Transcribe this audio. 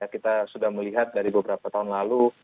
kita sudah melihat dari beberapa tahun lalu